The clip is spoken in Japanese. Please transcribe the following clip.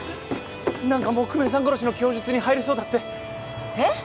何かもう久米さん殺しの供述に入りそうだってえっ！？